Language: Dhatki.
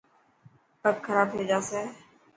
پگ کراب ٿي جاسي.